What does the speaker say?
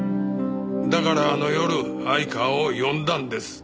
だからあの夜相川を呼んだんです。